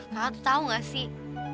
kakak tuh tau gak sih